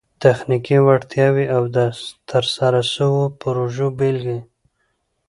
تخنیکي وړتیاوي او د ترسره سوو پروژو بيلګي